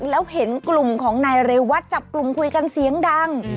แล้วเห็นกลุ่มของนายเรวัตจับกลุ่มคุยกันเสียงดัง